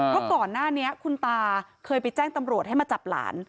เพราะก่อนหน้านี้คุณตาเคยไปแจ้งตำรวจให้มาจับหลาน